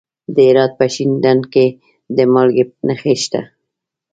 د هرات په شینډنډ کې د مالګې نښې شته.